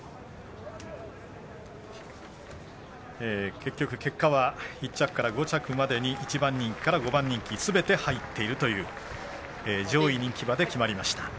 結局、結果は１着から５着までに１番人気から５番人気すべて入っているという上位人気馬で決まりました。